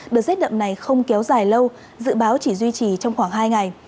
đợt rét đậm này không kéo dài lâu dự báo chỉ duy trì trong khoảng hai ngày